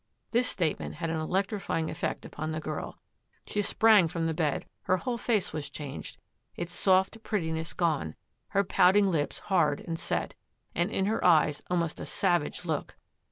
This statement had an electrifying effect upon the girl. She sprang from the bed ; her whole face was changed, — its soft prettiness gone; her pout ing lips hard and set, and in her eyes almost a sav age look.